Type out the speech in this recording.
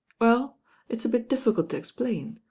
"Well, it's a bit difficult to explain.